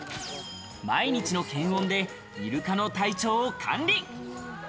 毎日の検温でイルカの体調を管理。